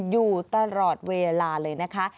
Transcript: อยู่ตลอดเวลาเลยนะคะ